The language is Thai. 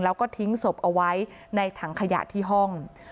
แล้วก็ทิ้งศพเอาไว้ในถังขยะที่ห้อง